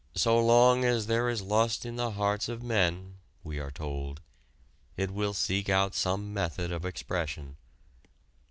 "So long as there is lust in the hearts of men," we are told, "it will seek out some method of expression.